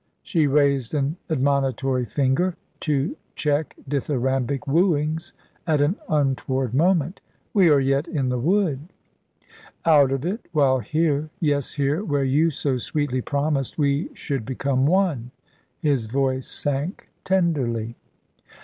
she raised an admonitory finger to check dithyrambic wooings at an untoward moment. "We are yet in the wood." "Out of it, while here yes, here, where you so sweetly promised we should become one"; his voice sank tenderly.